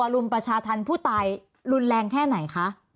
รุมประชาธรรมผู้ตายรุนแรงแค่ไหนคะ